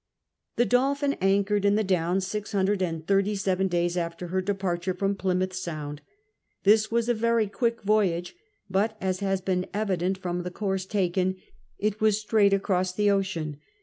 The Dvlphin anchored in the DoAvns six hundred and thirty seven days after her departure from Plymouth Sound. This Avas a very quick voyage, but, as has been evident from the course taken, it was straight across the ocean.